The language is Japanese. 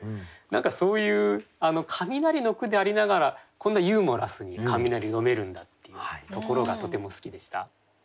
何かそういう「雷」の句でありながらこんなユーモラスに雷詠めるんだっていうところがとても好きでした。